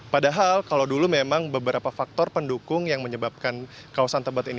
padahal kalau dulu memang beberapa faktor pendukung yang menyebabkan kawasan tebet ini